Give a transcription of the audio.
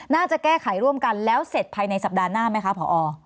น่าจะแก้ไขร่วมกันแล้วเสร็จภายในสัปดาห์หน้าไหมคะผอ